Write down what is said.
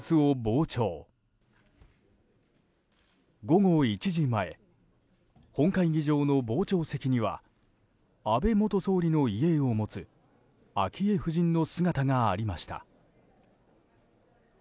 午後１時前本会議場の傍聴席には安倍元総理の遺影を持つ昭恵夫人の姿がありました。